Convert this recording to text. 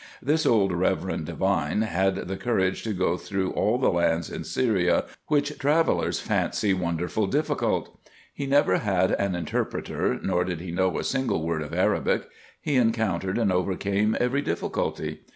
This old reverend divine had the courage to go through all the lands in Syria, which travellers fancy wonderful difficult. He never had an in terpreter, nor did he know a single word of Arabic. He encountered and overcame every difficulty.